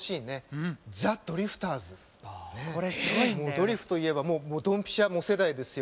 ドリフといえばドンピシャ世代ですよ。